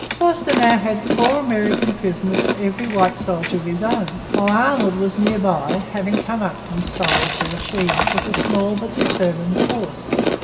Forster now had four American prisoners for every white soldier of his own; while Arnold was near by, having come up from Sorel to Lachine with a small but determined force.